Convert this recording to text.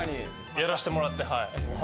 やらせてもらってはい。